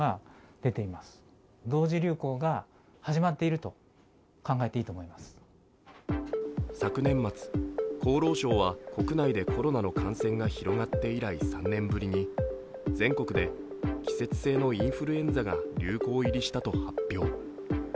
そして昨年末、厚労省は国内でコロナの感染が広がって以来３年ぶりに全国で季節性のインフルエンザが流行入りしたと発表。